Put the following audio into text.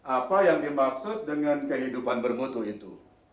apa yang dimaksud dengan kehidupan bermutu itu